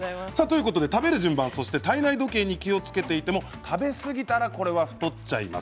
食べる順番、体内時計に気をつけていても食べ過ぎたら太っちゃいます。